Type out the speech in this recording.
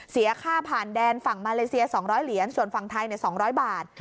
เสียค่าผ่านแดนฝั่งมาเลเซีย๒๐๐เหรียญส่วนฝั่งไทย๒๐๐บาท